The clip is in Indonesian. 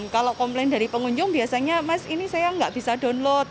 kalau komplain dari pengunjung biasanya mas ini saya nggak bisa download